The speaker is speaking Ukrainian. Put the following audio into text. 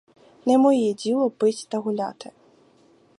Не моє діло пить та гуляти.